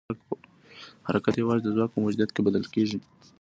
حرکت یوازې د ځواک په موجودیت کې بدل کېږي.